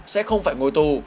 sẽ không phải ngồi tù